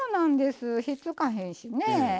ひっつかへんしね。